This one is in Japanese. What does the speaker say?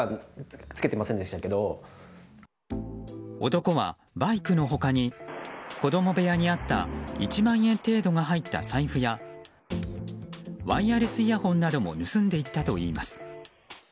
男はバイクの他に子供部屋にあった１万円程度が入った財布やワイヤレスイヤホンなども盗んでいったといいます。